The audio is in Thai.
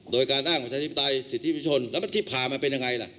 โดยการอ้างประชาธิปไตยสิทธิประชนแล้วที่ผ่ามาเป็นยังไงล่ะ